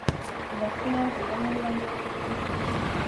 Udazkenean ohi baino bero handiagoa egiten du?